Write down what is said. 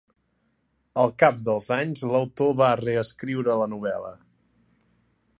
Al cap dels anys, l'autor va reescriure la novel·la.